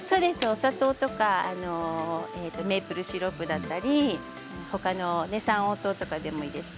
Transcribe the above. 砂糖とかメープルシロップだったりほかの三温糖とかでもいいですね。